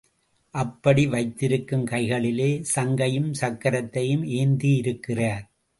அப்படி வைத்திருக்கும் கைகளிலே சங்கையும் சக்கரத்தையும் ஏந்தியிருக்கிறார்.